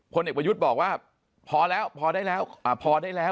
เด็กประยุทธ์บอกว่าพอแล้วพอได้แล้วพอได้แล้ว